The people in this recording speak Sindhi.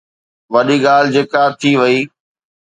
وڏي ڳالهه جيڪا ٿي وئي.